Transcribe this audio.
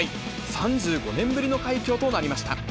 ３５年ぶりの快挙となりました。